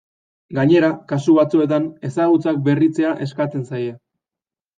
Gainera, kasu batzuetan, ezagutzak berritzea eskatzen zaie.